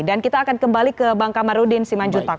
dan kita akan kembali ke bang kamarudin siman jutak